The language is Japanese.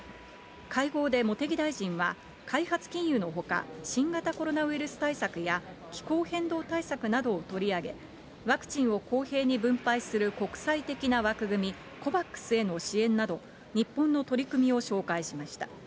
会合で茂木大臣は、開発金融のほか、新型コロナウイルス対策や気候変動対策などを取り上げ、ワクチンを公平に分配する国際的な枠組み、ＣＯＶＡＸへの支援など、日本の取り組みを紹介しました。